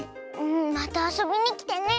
またあそびにきてね！